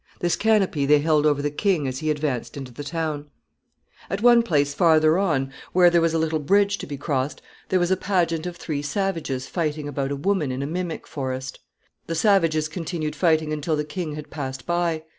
This canopy they held over the king as he advanced into the town. [Sidenote: Curious pageants.] At one place farther on, where there was a little bridge to be crossed, there was a pageant of three savages fighting about a woman in a mimic forest. The savages continued fighting until the king had passed by.